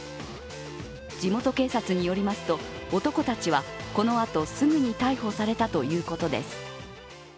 地元警察によりますと、男たちは、このあとすぐに逮捕されたということです。